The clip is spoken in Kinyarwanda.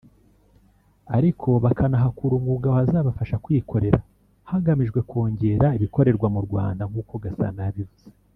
ariko bakanahakura umwuga wazabafasha kwikorera hagamijwe kongera ibikorerwa mu Rwanda; nk’uko Gasana yabivuze